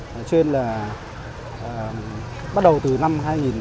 nói trên là bắt đầu từ năm hai nghìn ba